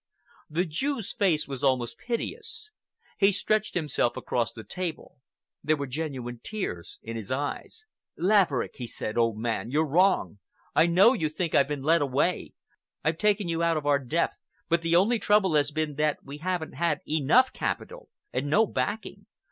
The Jew's face was almost piteous. He stretched himself across the table. There were genuine tears in his eyes. "Laverick," he said, "old man, you're wrong. I know you think I've been led away. I've taken you out of our depth, but the only trouble has been that we haven't had enough capital, and no backing.